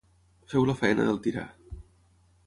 Feu la feina del tirà.